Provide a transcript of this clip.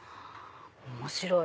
面白い！